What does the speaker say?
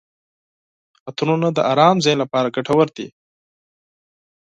عطرونه د ارام ذهن لپاره ګټور دي.